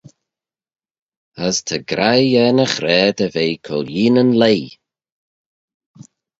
As ta graih er ny ghra dy ve cooilleeney'n leigh.